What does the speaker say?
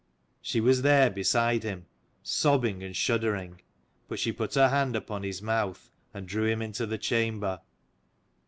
She was there beside him, sobbing and shuddering: but she put her hand upon his mouth, and drew him into the chamber.